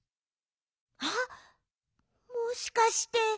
あっもしかして。